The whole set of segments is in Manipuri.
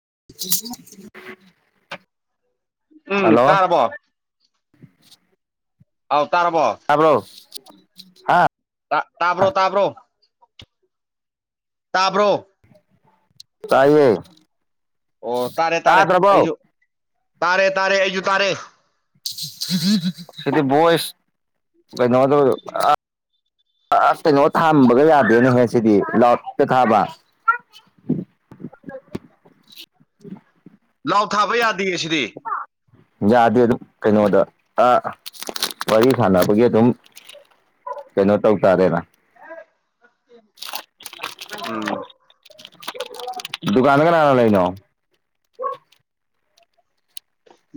[unintelligible] ꯎꯝ ꯍꯜꯂꯣ ꯇꯥꯔꯕꯣ [unintelligible] ꯑꯥꯎ‌ ꯇꯥꯕ꯭ꯔꯣ ꯍꯥ ꯇ ꯇꯥꯕ꯭ꯔꯣ ꯇꯥꯕ꯭ꯔꯣ ꯇꯥꯕ꯭ꯔꯣ ꯇꯥꯏꯌ‌ꯦ ꯑꯣ ꯇꯥꯔꯦ ꯇꯥꯔꯦ ꯑꯩꯁꯨ ꯇꯥꯔꯦ ꯇꯥꯔꯦ ꯑꯩꯁꯨ ꯇꯥꯔꯦ ꯁꯤꯗꯤ ꯚ‌ꯣꯏꯁ ꯀꯩꯅ‌ꯣꯗ‌ꯣ ꯑꯥ ꯑꯁ ꯀꯩꯅꯣ ꯊꯥꯝꯕꯒ ꯌꯥꯗꯦꯅ‌ꯦꯍꯦ ꯁꯤꯗꯤ ꯂꯥꯎꯠ ꯏꯁꯄꯤꯀꯔ ꯊꯥꯕ [unintelligible] [unintelligible] ꯂꯥꯎꯠ ꯊꯥꯕ ꯌꯥꯗꯤꯌ‌ꯦ ꯁꯤꯗꯤ ꯌꯥꯗꯦ ꯑꯗꯨꯝ ꯀꯩꯅꯣꯗ ꯑꯥ ꯋꯥꯔꯤ ꯁꯥꯟꯅꯕꯒꯤ ꯑꯗꯨꯝ ꯀꯩꯅꯣ ꯇꯧ ꯇꯥꯔꯦꯅ ꯎꯝ ꯗꯨꯀꯥꯟꯗ ꯀꯅꯥ ꯀꯅꯥ ꯂꯩꯩꯅꯣ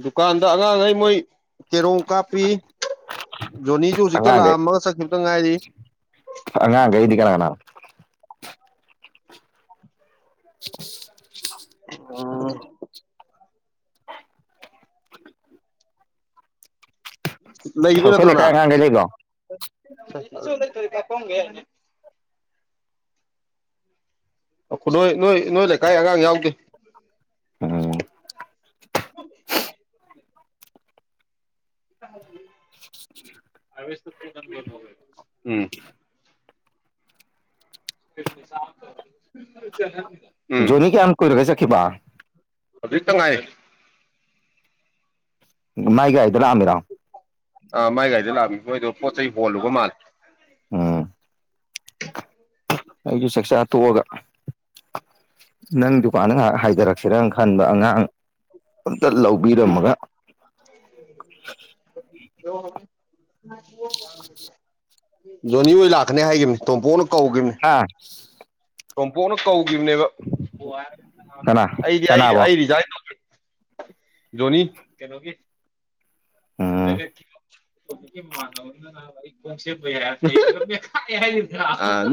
ꯗꯨꯀꯥꯟꯗ ꯑꯉꯥꯡꯈꯩ ꯃꯣꯏ ꯀꯦꯔꯣꯝ ꯀꯥꯞꯄꯤ ꯖꯣꯅꯤꯁꯨ ꯍꯧꯖꯤꯛꯇ ꯑꯉꯥꯡꯈꯩ ꯂꯥꯛꯑꯝꯃꯒ ꯆꯠꯈꯤꯕꯗ ꯉꯥꯏꯔꯤ ꯑꯉꯥꯡꯈꯩꯗꯤ ꯀꯅꯥ ꯀꯅꯥ [unintelligible] ꯎꯝ ꯂꯩꯈꯤꯗꯣꯏ ꯑꯩꯈꯣꯏ ꯅꯠꯇ꯭ꯔꯣ ꯂꯩꯀꯥꯏ ꯅꯪ ꯑꯉꯥꯡꯈꯩ ꯂꯩꯕ꯭ꯔꯣ [unintelligible] [unintelligible] ꯅꯣꯏ ꯅꯣꯏ ꯅꯣꯏ ꯂꯩꯀꯥꯏ ꯑꯉꯥꯡ ꯌꯥꯎꯗ‌ꯦ ꯑꯣ [unintelligible] [unintelligible] ꯎꯝ [unintelligible] ꯖꯅꯤ ꯀ ꯌꯥꯝ ꯀꯣꯏꯔ ꯀꯩꯁꯦ ꯀꯈꯤꯕ ꯑꯗꯨꯛꯇꯉꯥꯏ ꯉꯥꯏꯒꯥꯏ ꯑꯥ ꯃꯥꯏ ꯒꯥꯥꯏꯗ ꯂꯥꯛꯃꯤꯕꯣꯏꯗꯣ ꯄꯣꯠ ꯆꯩꯩ ꯍꯣꯜꯂꯨꯕ ꯃꯥꯜꯂꯦ ꯑꯝ [unintelligible] ꯑꯩꯁꯨ ꯆꯛꯆꯥꯥ ꯇꯣꯛꯑꯒ ꯅꯪ ꯗꯨꯀꯥꯟꯗ ꯉꯥꯏꯍꯥꯛ ꯍꯥꯏꯊꯔꯛꯀꯦꯔ ꯈꯟꯕ ꯑꯉꯥꯡ ꯂꯧꯕꯤꯔꯝꯃꯒ ꯀꯣ ꯍꯧ ꯖꯣꯅꯤ ꯍ ꯂꯥꯛꯀꯅꯤ ꯍꯥꯏꯈꯤꯕꯅꯤ ꯇꯣꯝꯄꯣꯅ ꯍꯥꯥ ꯇꯣꯝꯄꯣꯛꯅ ꯀꯧꯈꯤꯕꯅꯦꯕ ꯀꯅꯥ ꯑꯩꯗꯤ ꯑꯩ ꯀꯅꯥꯕꯣ ꯑꯩ ꯔꯤꯖꯥꯏꯟ ꯇꯧꯦ ꯖꯣꯅꯤ ꯀꯩꯅꯧꯒ ꯎꯝ ꯒꯠ ꯊꯤ [unintelligible]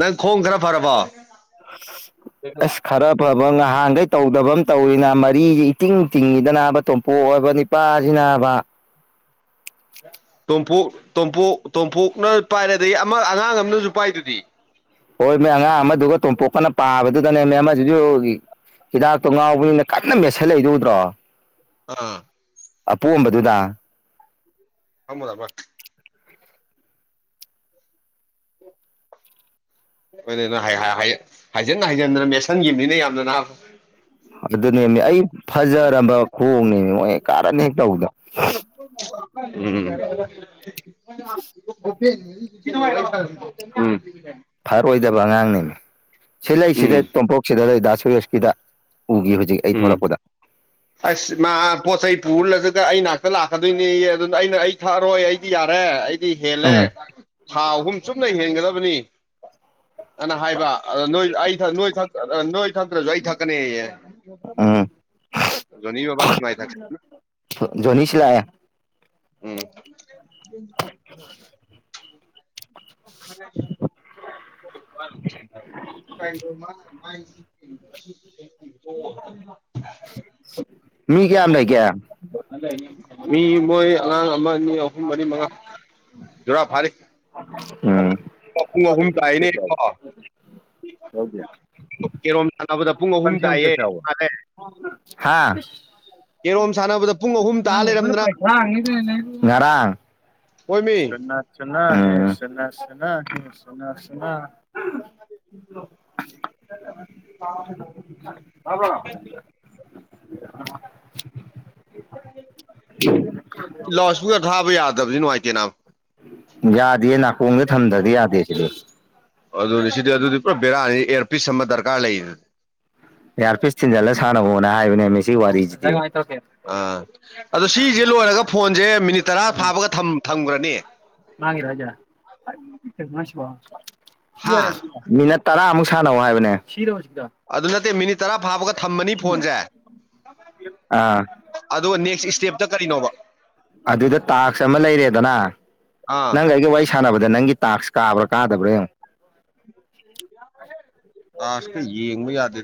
ꯅꯪ ꯈꯣꯡ ꯈꯔ ꯐꯔꯕꯣ ꯑꯁ ꯈꯔ ꯐꯕ ꯉꯍꯥꯟꯈꯩ ꯇꯧꯗꯕ ꯑꯃ ꯇꯧꯔꯤꯅ ꯃꯔꯤꯁꯤ ꯏꯇꯤꯡ ꯇꯤꯡꯉꯤꯗ ꯅꯥꯕ ꯇꯣꯝꯄꯣꯛ ꯑꯣꯏꯕ ꯅꯤꯄꯥꯁꯤ ꯅꯥꯕ [unintelligible] ꯇꯣꯝꯐꯨ ꯇꯣꯝꯄꯨ ꯇꯣꯝꯐꯨꯅ ꯄꯥꯏꯔꯦ ꯑꯗꯒꯤ ꯑꯃ ꯑꯉꯥꯡ ꯑꯃꯅꯁꯨ ꯄꯥꯏꯗꯨꯗꯤ ꯍꯣꯏ ꯃ ꯑꯉꯥꯡ ꯑꯃꯗꯨꯒ ꯇꯣꯝꯄꯣꯛꯀꯅ ꯄꯥꯕꯗꯨꯗꯅꯦ ꯃ ꯑꯃꯁꯤꯁꯨ ꯍꯤꯗꯥꯛꯇꯣ ꯉꯥꯎꯕꯅꯤꯅ ꯀꯟꯅ ꯃꯦꯠꯁꯤꯜꯂꯛꯏꯗꯧꯗ꯭ꯔꯣ ꯑꯥ ꯑꯄꯣꯝꯕꯗꯨꯗ ꯑꯃꯗꯕ ꯍꯣꯏ ꯍꯥꯏꯖꯤꯟ ꯍꯥꯏꯖꯤꯟꯗꯅ ꯃꯦꯁꯟꯒꯤꯅꯤꯅ ꯌꯥꯝꯅ ꯅꯍ ꯑꯗꯨꯅꯦꯃꯤ ꯑꯩ ꯐꯖꯝꯕ ꯈꯣꯡꯅꯦꯃꯤ ꯃꯣꯏ ꯀꯥꯔꯅꯤ ꯍꯦꯛ ꯇꯧꯕꯗ [unintelligible] ꯐ ꯐꯔꯣꯏꯗꯕ ꯑꯉꯥꯡꯅꯤꯅꯦ ꯁꯤꯂꯁꯤꯗꯩ ꯎꯝ ꯇꯣꯝꯄꯣꯛꯁꯤꯗ ꯂꯩ ꯗꯥ ꯁꯌꯣꯁꯀꯤꯗ ꯎꯒꯤ ꯍꯧꯖꯤꯛ ꯑꯩ ꯎꯝ ꯊꯣꯛꯂꯛꯄꯗ ꯑꯁ ꯃꯥ ꯄꯣꯠ ꯆꯩ ꯄꯨꯔꯜꯂꯁꯤꯒ ꯑꯩ ꯉꯥꯛꯇ ꯂꯥꯛꯀꯗꯣꯏꯅꯦ ꯑꯗꯨꯅ ꯑꯩꯅ ꯑꯩ ꯊꯛꯑꯔꯣꯏ ꯑꯩꯗꯤ ꯌꯥꯔꯦ ꯑꯩꯗꯤ ꯍꯦꯜꯂꯦ ꯎꯝ ꯊꯥ ꯑꯍꯨꯝ ꯆꯨꯝꯅ ꯍꯦꯟꯒꯗꯕꯅꯤ ꯑꯅ ꯍꯥꯏꯕ ꯑ ꯅꯣꯏ ꯑꯩ ꯊ ꯅꯣꯏ ꯊ ꯅꯣꯏ ꯊꯇ꯭ꯔꯁꯨ ꯑꯩ ꯊꯛꯀꯅꯦ ꯣꯅꯤꯁꯤꯂ ꯎꯝ [unintelligible] ꯎ ꯃꯤ ꯀꯌꯥ ꯂꯩ ꯀꯌꯥ ꯃꯤ ꯃꯣꯏ ꯑꯉꯥꯡ ꯑꯃ ꯑꯅꯤ ꯑꯍꯨꯝ ꯃꯔꯤ ꯃꯉꯥ ꯖꯨꯔꯥ ꯐꯥꯔꯤ ꯎꯝ ꯄꯨꯡ ꯐ ꯑꯍꯨꯝ ꯇꯥꯏꯅꯦ ꯍꯧꯖ ꯀꯦꯔꯣꯝ ꯁꯥꯟꯅꯕꯗ ꯄꯨꯡ ꯑꯍꯨꯝ ꯀꯁꯤꯝ ꯇꯥꯏꯌꯦ ꯀꯁꯌꯥ ꯃꯥꯅꯦ ꯍꯥ ꯀꯦꯔꯣꯝ ꯁꯥꯟꯅꯕꯗ ꯄꯨꯡ ꯑꯍꯨꯝ ꯅ ꯇꯥ ꯃ ꯂꯩꯔꯝꯗꯅ ꯄꯩꯁꯥꯉꯅꯦꯔ ꯍꯣꯏꯃꯤ ꯁꯅꯁꯨꯅꯅꯁꯨꯅ ꯁꯅꯁꯨꯅ ꯀꯝꯦ ꯑꯔꯕ ꯑ ꯂꯣꯁꯄꯒ ꯊꯥꯕ ꯌꯥꯗꯕꯁꯨ ꯅꯨꯡꯉꯥꯏꯇꯦꯅꯅꯥ ꯌꯥꯗꯌꯦ ꯅꯥꯀꯣꯡꯗ ꯊꯝꯗ꯭ꯔꯗꯤ ꯌꯥꯗꯦ ꯁꯤꯗꯤ ꯑꯗꯨꯅꯤ ꯁꯤꯗꯤ ꯑꯗꯨꯗꯤ ꯄꯨꯔꯥ ꯕꯦꯔꯥꯅꯤ ꯏꯔ ꯄꯤꯁ ꯑꯃ ꯗꯔꯀꯥꯔ ꯂꯩ ꯌꯥꯔ ꯄꯤꯁ ꯊꯤꯟꯖꯥꯠꯂ ꯁꯥꯟꯅꯕꯅꯕꯣꯅꯦ ꯍꯥꯏꯕꯅꯦꯃꯤ ꯁꯤ ꯋꯥꯔꯤꯁꯤ ꯑꯥ ꯑꯗꯣ ꯁꯤꯁꯦ ꯂꯣꯏꯔꯒ ꯐꯣꯟꯁꯦ ꯃꯤꯅꯤꯠ ꯇꯔꯥ ꯐꯥꯕꯒ ꯊꯝꯈ꯭ꯔꯅꯤ ꯃꯥꯒꯤ ꯔꯖꯥꯌꯥ ꯍꯥ ꯇꯔꯥꯃꯨꯛ ꯁꯥꯟꯅꯧ ꯍꯥꯏꯕꯅꯦ ꯑꯗꯨ ꯅꯠꯇꯦ ꯃꯤꯅꯤꯠ ꯇꯔꯥ ꯐꯥꯕꯒ ꯊꯝꯃꯅꯤ ꯐꯣꯟꯁꯦ ꯑꯥ ꯑ ꯅꯦꯛꯁ ꯏꯁꯇꯦꯞꯇ ꯀꯔꯤꯅꯣꯕ ꯑꯗꯨꯗ ꯇꯥꯛꯁ ꯑꯃ ꯂꯩꯔꯦꯗꯅ ꯑꯥ ꯅꯪꯒ ꯑꯩꯒ ꯋꯥꯔꯤ ꯁꯥꯟꯅꯕꯗ ꯅꯪꯒꯤ ꯇꯥꯛꯁ ꯀꯥꯕ꯭ꯔꯥ ꯀꯥꯗꯕ꯭ꯔꯥ ꯇꯥꯁꯇ ꯌꯦꯡꯕ ꯌꯥꯗꯦ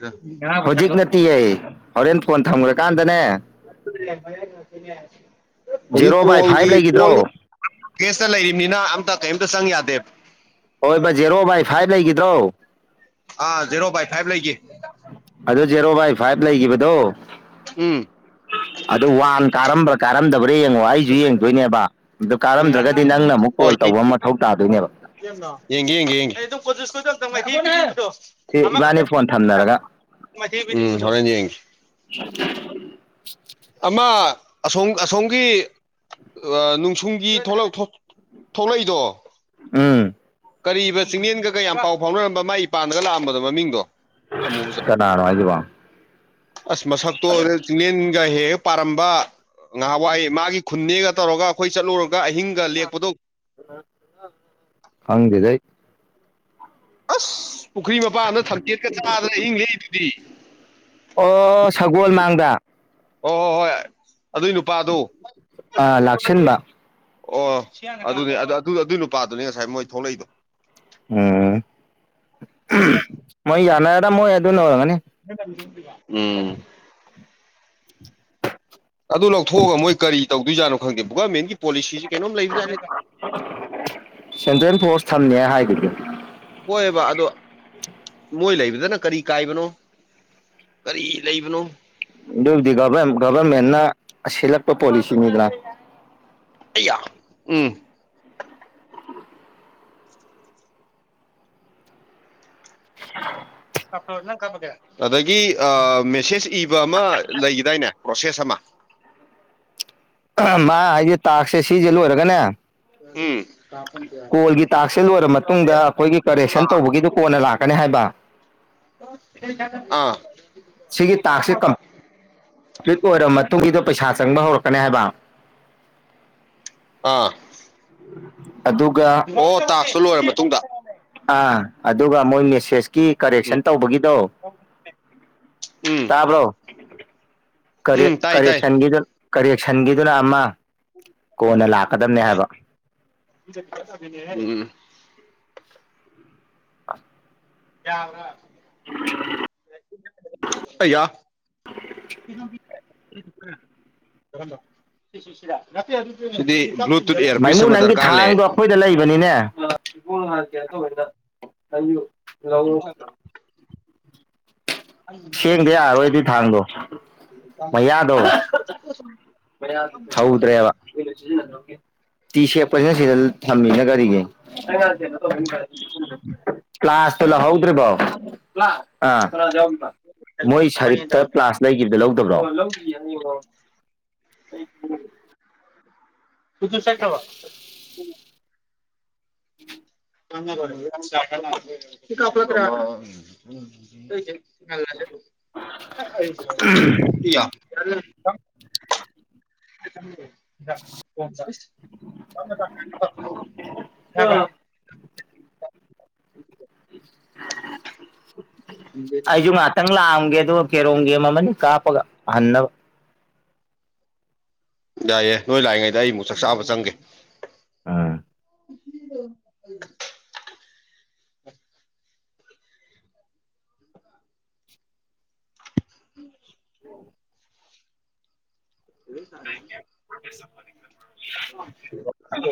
ꯍꯧꯖꯤꯛ ꯅꯠꯇꯤ ꯑꯩ ꯍꯣꯔꯦꯟ ꯐꯣꯟ ꯊꯝꯈ꯭ꯔꯀꯥꯟꯗꯅꯦ ꯍꯧꯖꯤꯛ ꯖꯦꯔꯣ ꯕꯥꯏ ꯐꯥꯏꯚ ꯀꯣꯜꯒꯤ ꯂꯩꯈꯤꯗ꯭ꯔꯣ ꯀꯣꯜ ꯀꯦꯁꯇ ꯂꯩꯔꯤꯕꯅꯤꯅ ꯑꯝꯇ ꯀꯩꯝꯇ ꯆꯪ ꯌꯥꯗꯦꯕ ꯍꯣꯏ ꯕꯥ ꯖꯦꯔꯣ ꯕꯥꯏ ꯐꯥꯏꯚ ꯂꯩꯈꯤꯗ꯭ꯔꯣ ꯑꯦꯔꯣ ꯑꯗꯨꯣ ꯖꯦꯔꯣ ꯕꯥꯏ ꯐꯥꯏꯚ ꯂꯩꯈꯤꯕꯗꯣ ꯎꯝ ꯑꯗꯨ ꯋꯥꯟ ꯀꯥꯔꯝꯕ꯭ꯔꯥ ꯀꯥꯔꯝꯗꯕ꯭ꯔꯥ ꯑꯗ ꯌꯦꯡꯉꯣ ꯑꯩꯁꯨ ꯌꯦꯡꯗꯣꯏꯅꯦꯕ ꯑꯗꯨ ꯎꯝ ꯀꯥꯔꯝꯗ꯭ꯔꯒꯗꯤ ꯎꯝ ꯅꯪꯅ ꯑꯃꯨꯛ ꯀꯣꯜ ꯇꯧꯕ ꯑꯃ ꯃꯊꯧ ꯇꯥꯗꯣꯏꯅꯦꯕ ꯌꯦꯡꯦ ꯌꯦꯡꯒꯦ ꯌꯦꯡꯦꯣ ꯃꯥꯏꯊꯤ ꯁꯤ ꯏꯕꯥꯅꯤ ꯐꯣꯟ ꯊꯝꯅꯔꯒ ꯊꯣꯔꯦꯟꯖ ꯑꯃꯣ ꯑꯁꯣꯝꯒꯤ ꯅꯨꯡꯁꯨꯡꯒꯤꯂꯛ ꯊꯣꯛꯂꯛꯏꯗꯣ ꯎꯝ ꯀꯔꯤꯕ ꯆꯤꯡꯡꯂꯦꯟꯒꯒ ꯌꯥꯝ ꯄꯥꯎ ꯐꯥꯎꯅꯔꯝꯕ ꯃꯥꯏ ꯏ ꯄꯥꯟꯗꯒ ꯂꯥꯛꯑꯝꯕꯗꯣ ꯃꯃꯤꯡꯗꯣ ꯑꯃꯨꯕꯖꯥ ꯀꯅꯥꯔ ꯍꯥꯏꯗꯨꯕꯣ ꯑꯁ ꯃꯁꯛꯇꯣ ꯑꯣꯏꯔꯦ ꯆꯤꯡꯂꯦꯟꯒ ꯍꯦꯛ ꯍꯦꯛ ꯄꯥꯔꯝꯕ ꯉꯍꯥꯟꯋꯥꯏ ꯃꯥꯒꯤ ꯈꯨꯟꯅꯦꯒ ꯇꯧꯔꯒ ꯑꯩꯈꯣꯏ ꯆꯠꯂꯨꯔꯒ ꯀ ꯑꯍꯤꯡꯒ ꯂꯦꯛꯄꯗꯣ ꯈꯪꯗꯦꯗꯩ ꯑꯁ ꯄꯨꯈ꯭ꯔꯤ ꯃꯄꯥꯟꯗ ꯊꯝꯖꯦꯠꯀ ꯆꯥꯗꯅ ꯑꯍꯤꯡ ꯂꯩꯛꯏꯗꯨꯗꯤ ꯑꯣ ꯁꯒꯣꯜ ꯃꯥꯡꯗ ꯑꯣ ꯍꯣꯏ ꯍꯣꯏ ꯑꯗꯨꯏ ꯅꯨꯄꯥꯗꯨ ꯑ ꯂꯥꯛꯁꯟꯕ ꯑꯣ ꯑꯗꯨꯅꯤ ꯑꯗꯨꯏ ꯅꯨꯄꯥꯗꯨꯅꯤ ꯉꯁꯥꯏ ꯃꯣꯏ ꯊꯣꯛꯂꯛꯏꯗꯣ ꯎꯝ ꯃꯣꯏ ꯌꯥꯅꯥ ꯑꯦꯗ ꯃꯣꯏ ꯑꯗꯨ ꯑꯗꯨ ꯅꯔ ꯎꯝ ꯑꯗꯨ ꯂꯧꯊꯣꯛꯑꯒ ꯃꯣꯏ ꯀꯔꯤ ꯇꯧꯗꯣꯏꯖꯥꯅꯣ ꯈꯪꯗꯦ ꯒꯣꯔꯃꯦꯟꯒꯤ ꯄꯣꯂꯤꯁꯤꯁꯤ ꯀꯩꯅꯣꯝ ꯂꯩꯕꯖꯥꯠꯅꯤ ꯁꯦꯟꯇ꯭ꯔꯦꯜ ꯐꯁ ꯊꯅꯤ ꯍꯥꯏ ꯍꯣꯏꯕ ꯑꯗꯣ ꯃꯣꯏ ꯂꯩꯕꯗꯅ ꯀꯔꯤ ꯀꯥꯏꯕꯅꯣ ꯀꯔꯤ ꯂꯩꯕꯅꯨ ꯑꯗꯨꯕꯨꯗꯤꯒ ꯒꯚꯔꯃꯦꯟꯅ ꯁꯤꯜꯂꯛꯄ ꯄꯣꯂꯤꯁꯤꯅꯤꯗꯅ ꯑꯩꯌꯥ ꯎꯝ ꯑꯗꯒꯤ ꯃꯦꯁꯦꯁ ꯏꯕ ꯑꯃ ꯂꯩꯈꯤꯗꯥꯏꯅꯦ ꯄ꯭ꯔꯣꯁꯦꯁꯃ ꯃꯥ ꯍꯥꯏꯁꯦ ꯇꯥꯛꯁꯦ ꯁꯤꯁꯦ ꯂꯣꯏꯔꯒꯅꯦ ꯎꯝ ꯀꯣꯜꯒꯤ ꯇꯥꯛꯁꯦ ꯂꯣꯏꯔꯕ ꯃꯇꯨꯡꯗ ꯑꯩꯈꯣꯏꯒꯤ ꯀꯔꯦꯛꯁꯟ ꯑꯥ ꯇꯧꯕꯒꯤꯗꯨ ꯀꯣꯟꯅ ꯂꯥꯛꯀꯦ ꯀꯅꯤ ꯍꯥꯏꯕ ꯑꯥ ꯁꯤꯒꯤ ꯇꯥꯛꯁꯦ ꯀ ꯐ꯭ꯛ ꯑꯣꯏꯔꯕ ꯃꯇꯨꯡꯒꯤꯗꯣ ꯄꯩꯁꯥ ꯆꯪꯕ ꯍꯧꯔꯛꯀꯅꯤ ꯍꯥꯏꯕ ꯑꯥ ꯎꯝ ꯑꯣ ꯇꯥꯁꯨ ꯂꯣꯏꯔ ꯃꯇꯨꯡꯗ ꯑꯥ ꯑꯗꯨꯒ ꯃꯣꯏ ꯃꯦꯁꯦꯁꯀꯤ ꯎꯝ ꯀꯔꯦꯛꯁꯟ ꯇꯧꯕꯒꯤ ꯎꯝ ꯇꯥꯕ꯭ꯔꯣ ꯎꯝ ꯇꯥꯏ ꯇꯥꯏ ꯀꯔꯦꯁꯟꯒꯤꯗ ꯀꯔꯦꯟ ꯊꯟꯈꯤꯗꯨꯅ ꯑꯃ ꯀꯣꯟꯅ ꯂꯥꯛꯀꯗꯕꯅꯦ ꯍꯥꯏꯕ ꯎ ꯌꯥꯎ꯭ꯔ [inaudible] ꯑꯩꯌꯥ [unintelligible] ꯃꯥꯏꯃꯨ ꯅꯪꯒꯤ ꯊꯥꯡꯗꯣ ꯑꯩꯈꯣꯏꯗ ꯂꯩꯕꯅꯤꯅꯦ ꯅ ꯂꯧ ꯁꯦꯡꯗ ꯌꯥꯔꯔꯣꯏꯗꯤ ꯊꯥꯡꯗꯣ ꯃꯩꯌꯥꯗꯧ ꯊꯧꯗ꯭ꯔꯦꯕ ꯇꯤ ꯁꯦꯄꯁꯤꯅ ꯁꯤꯗ ꯊꯝꯃꯤꯅ ꯀꯔꯤꯒꯤ ꯀ꯭ꯂꯁꯂ ꯍꯧꯗ꯭ꯔꯤꯕꯣ ꯃꯣꯏ ꯁꯔꯤꯞꯇ ꯄ꯭ꯂꯥꯁ ꯂꯩꯈꯤꯕꯗ ꯂꯧꯗꯕ꯭ꯔꯣ [unintelligible] ꯇꯨꯁꯥꯏ ꯊꯕ ꯎ ꯀꯥꯄꯂ ꯀ ꯌꯥ [unintelligible] ꯀꯣ ꯆꯁꯗ ꯑꯩꯁꯨ ꯉꯥꯛꯇꯪ ꯂꯥꯛꯑꯝꯒ ꯑꯗꯨꯒ ꯀꯦꯔꯣꯡꯝꯒꯦꯝ ꯑꯃꯅꯤ ꯀꯥꯞꯄꯒ ꯍꯟꯅꯕ ꯌꯥꯏꯌꯦ ꯅꯣꯏ ꯂꯥꯛꯏꯉꯩꯗ ꯑꯩꯃꯨꯛ ꯆꯥꯛ ꯆꯥꯕ ꯆꯪꯒꯦ ꯑꯥ [unintelligible] ꯎꯝ ꯍ [inaudible] ꯏ ꯁꯔ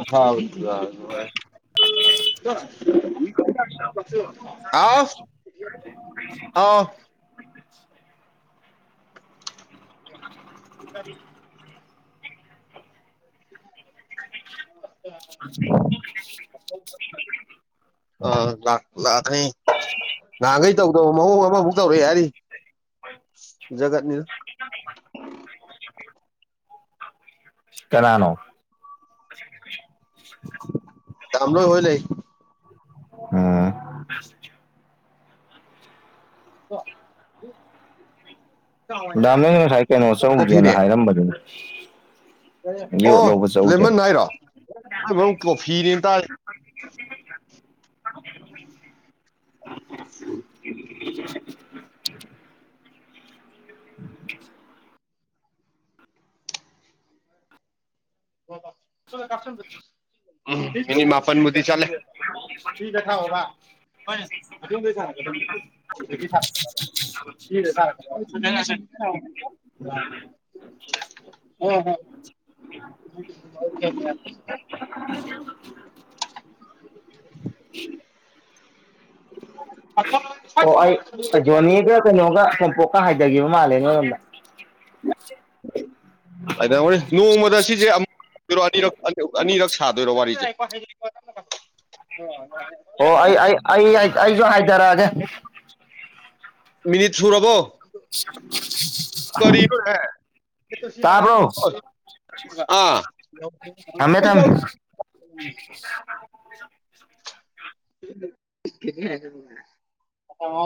ꯍꯗ ꯑꯥꯎ ꯑꯥ ꯑ [inaudible] [unintelligible] [unintelligible] ꯑ ꯂꯥꯛ ꯂꯥꯛꯈꯅꯤ ꯉꯍꯥꯟꯈꯩ ꯇꯧꯗ ꯃꯑꯣꯡ ꯑꯃꯃꯨꯛ ꯇꯧꯔꯛꯑꯦ ꯍꯥꯏꯔꯤ ꯒꯠꯅꯤ ꯀꯅꯥꯅꯣ ꯇꯂꯣꯏ ꯍꯣꯏ ꯂꯩ ꯎꯝ ꯑꯣ ꯗꯥꯝ ꯅꯪ ꯉꯁꯥꯏ ꯀꯩꯅꯣ ꯆꯧꯒꯦꯅ ꯀꯣꯐꯤꯅꯦ ꯍꯥꯏꯔꯝꯕꯗꯨꯅꯤ ꯌꯣꯠ ꯑꯣ ꯂꯧꯕ ꯆꯧꯁꯦꯅ ꯂꯦꯃꯟ ꯍꯥꯏꯔꯣ ꯃꯔ ꯀꯣꯐꯤꯅꯦꯅ ꯇꯥꯔ ꯎꯝ [inaudible] ꯎꯅꯤ ꯃꯥꯄꯟꯕꯨ ꯆ ꯁꯤꯒ ꯊꯥꯛꯑꯣꯕ ꯍꯣꯏ ꯑꯣꯝꯗꯩ ꯊꯔꯛꯒꯗ ꯅꯠꯇ ꯑꯗꯨꯗ ꯍ ꯍ [inaudible] ꯊ ꯎ ꯑꯣ ꯑꯩ ꯁꯗꯣꯅꯤꯒ ꯀꯩꯅꯣꯒ ꯁꯣꯝꯄꯣꯛꯀ ꯍꯥꯏꯊꯒꯦ ꯃ ꯃꯥ ꯂꯩꯅꯤꯝꯕ ꯑꯗꯨ ꯅꯣꯡꯃꯗ ꯁꯤꯁꯦ ꯑꯃ ꯑꯅꯤꯛ ꯑꯅꯤꯔꯛ ꯁꯥꯗꯣꯏꯔꯣ ꯋꯥꯔꯤꯁꯦ ꯍ ꯍꯥꯏ ꯑꯣ ꯑꯩ ꯑꯩ ꯑꯩ ꯑꯩꯁꯨ ꯍꯥꯏꯗꯔꯒꯦ ꯃꯤꯅꯤꯠ ꯁꯨꯔꯔꯕꯣ [inaudible] ꯃꯔ ꯇꯥꯕ꯭ꯔꯣ ꯎ ꯊꯝꯃꯦ ꯊꯝꯃꯦ [inaudible]